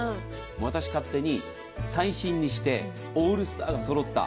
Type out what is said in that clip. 私、勝手に最新にしてオールスターが揃った。